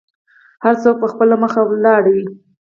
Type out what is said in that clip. هر څوک په خپله مخه ولاړو.